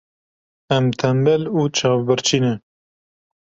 Em tembel û çavbirçî ne.